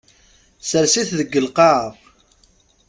Sers-it deg lqaɛa.